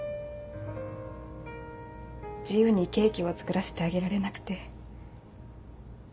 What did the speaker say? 自由にケーキを作らせてあげられなくて。